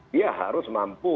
dia harus mampu